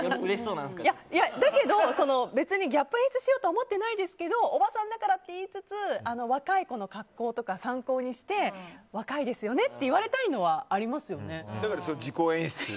だけど、別にギャップを演出しようとは思ってないですけどおばさんだからって言いつつ若い子の格好とか参考にして若いですよねって言われたいのはだから、自己演出。